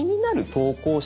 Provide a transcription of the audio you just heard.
投稿者